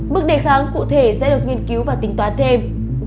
bước đề kháng cụ thể sẽ được nghiên cứu và tính toán thêm